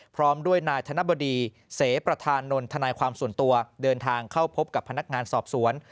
พร้อมด้วยนายธนบดีเสประธานนนทนายความส่วนตัวเดินทางเข้าพบกับพนักงานสอบสวน